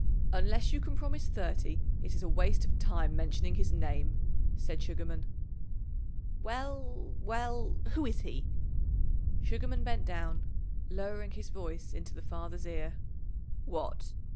"Unless you can promise thirty it is waste of time mentioning his name," said Sugarman. "Well, well who is he?" Sugarman bent down, lowering his voice into the father's ear. "What!